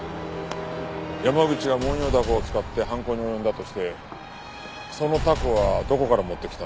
山口がモンヨウダコを使って犯行に及んだとしてそのタコはどこから持ってきたんだ？